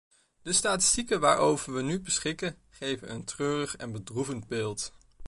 De statistieken waarover we nu beschikken geven een treurig en bedroevend beeld.